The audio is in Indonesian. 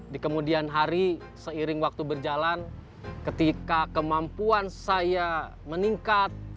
di kemudian hari seiring waktu berjalan ketika kemampuan saya meningkat